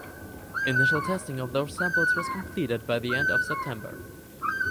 Initial testing of those samples was completed by the end of September.